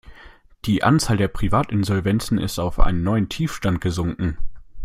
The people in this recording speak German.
Die Anzahl der Privatinsolvenzen ist auf einen neuen Tiefstand gesunken.